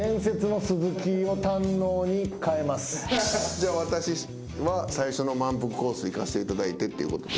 じゃあ私は最初のまんぷくコースいかせていただいてってことで。